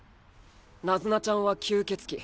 ナズナちゃんは吸血鬼。